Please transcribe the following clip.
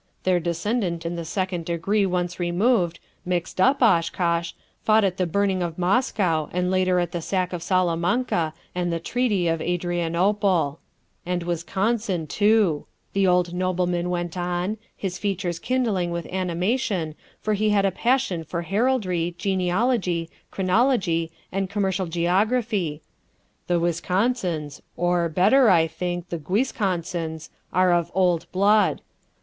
Their descendant in the second degree once removed, Mixtup Oshkosh, fought at the burning of Moscow and later at the sack of Salamanca and the treaty of Adrianople. And Wisconsin too," the old nobleman went on, his features kindling with animation, for he had a passion for heraldry, genealogy, chronology, and commercial geography; "the Wisconsins, or better, I think, the Guisconsins, are of old blood.